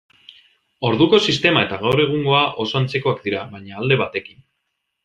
Orduko sistema eta gaur egungoa oso antzekoak dira, baina alde batekin.